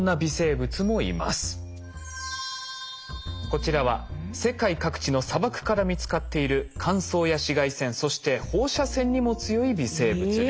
こちらは世界各地の砂漠から見つかっている乾燥や紫外線そして放射線にも強い微生物です。